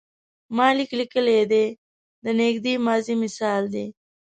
ما لیک لیکلی دی د نږدې ماضي مثال دی.